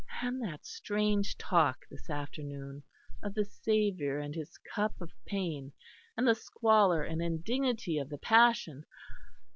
And that strange talk this afternoon, of the Saviour and His Cup of pain, and the squalor and indignity of the Passion!